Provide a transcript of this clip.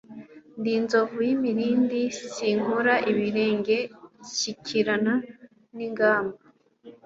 Ndi inzovu y'imilindi, sinkura ibirenge nshyikirana n'ingamba